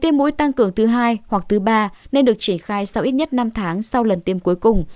viêm mũi tăng cường thứ hai hoặc thứ ba nên được triển khai sau ít nhất năm tháng sau lần tiêm cuối cùng